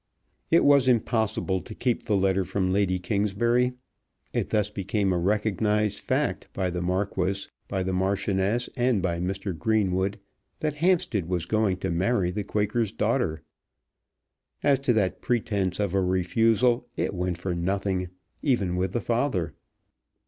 It was impossible to keep the letter from Lady Kingsbury. It thus became a recognized fact by the Marquis, by the Marchioness, and by Mr. Greenwood, that Hampstead was going to marry the Quaker's daughter. As to that pretence of a refusal, it went for nothing, even with the father.